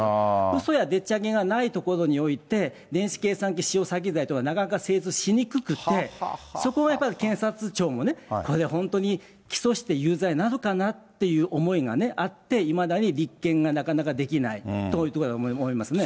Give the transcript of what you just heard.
うそやでっちあげがないところにおいて、電子計算機使用詐欺罪というのはなかなか成立しにくくて、そこがやっぱ検察庁もね、これ本当に起訴して有罪になるかなっていう思いがあって、いまだに立件がなかなかできないと思いますね。